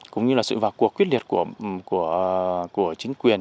cũng như là sự vào cuộc quyết liệt của chính quyền